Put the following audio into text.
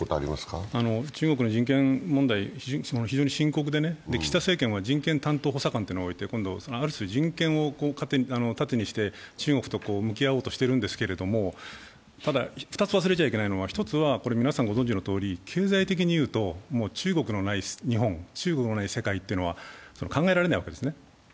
中国の人権問題、非常に深刻で岸田政権は人権担当補佐官というのを置いて今度、ある種人権を盾にして中国と向き合おうとしているんですけど、ただ２つ、忘れちゃいけないのは、１つは、皆さんご存じのとおり経済的にいうと、中国のない日本、中国のない世界というのは考えられないわけですね。